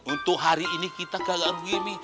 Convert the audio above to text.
untuk hari ini kita kagak rugi mi